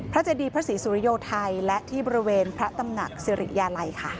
เจดีพระศรีสุริโยไทยและที่บริเวณพระตำหนักสิริยาลัยค่ะ